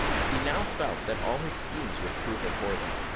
He now felt that all his schemes would prove abortive.